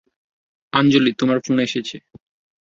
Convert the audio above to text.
আঞ্জলি তোমার ফোন এসেছে।